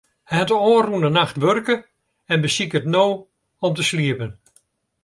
Hy hat de ôfrûne nacht wurke en besiket no om te sliepen.